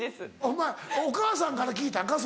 お前お母さんから聞いたんか？